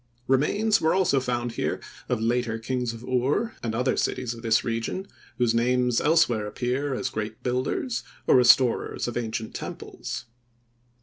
Remains were also found here of later kings of Ur and other cities of this region, whose names elsewhere appear as great builders or restorers of ancient temples.